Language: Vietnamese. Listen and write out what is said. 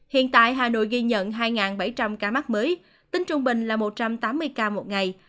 hiện tại hà nội ghi nhận hai bảy trăm linh ca mắc mới tính trung bình là một trăm tám mươi ca một ngày